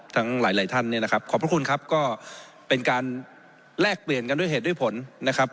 ทั้งหลายหลายท่านเนี่ยนะครับขอบพระคุณครับก็เป็นการแลกเปลี่ยนกันด้วยเหตุด้วยผลนะครับ